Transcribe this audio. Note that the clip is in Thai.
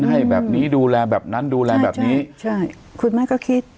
ให้แบบนี้ดูแลแบบนั้นดูแลแบบนี้ใช่คุณแม่ก็คิด